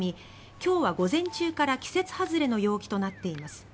今日は午前中から季節外れの陽気となっています。